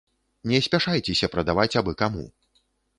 Не спяшайцеся прадаваць абы каму.